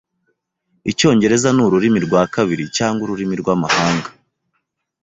Icyongereza ni ururimi rwa kabiri cyangwa ururimi rwamahanga.